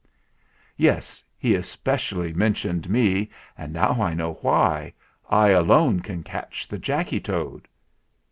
"Yes, he specially mentioned me; and now I know why! I alone can catch the Jacky Toad!"